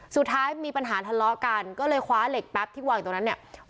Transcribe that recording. สุดท้ายมีปัญหาทะเลาะกันก็เลยคว้าเหล็กแป๊บที่วางอยู่ตรงนั้นเนี่ย